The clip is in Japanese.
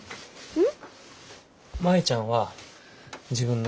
うん。